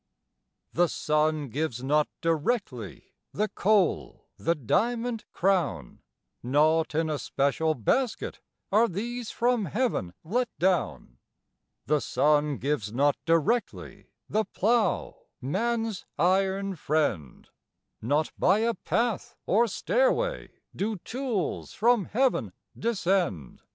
The sun gives not directly The coal, the diamond crown; Not in a special basket Are these from Heaven let down. The sun gives not directly The plough, man's iron friend; Not by a path or stairway Do tools from Heaven descend.